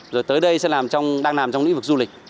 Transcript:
rồi tới đây sẽ làm trong đang làm trong lĩnh vực du lịch